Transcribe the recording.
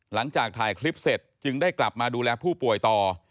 หลังจากถ่ายคลิปเสร็จจึงได้กลับมาดูแลผู้ป่วยต่อ